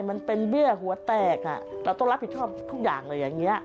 มันเป็นเบี้ยหัวแตกเราต้องรับผิดชอบทุกอย่างเลยอย่างนี้